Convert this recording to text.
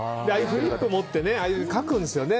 フリップを持って書くんですよね。